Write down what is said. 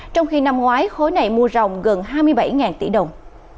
trong khi năm ngoái khối này mua rồng gần hai mươi bảy tỷ đồng